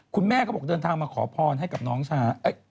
คุณแม่ก็บอกเดินทางมาขอพรให้กับน้องชา